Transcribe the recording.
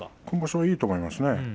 今場所はいいと思いますよ。